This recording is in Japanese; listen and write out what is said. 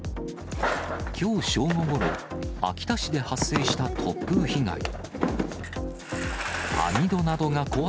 きょう正午ごろ、秋田市で発生した突風被害。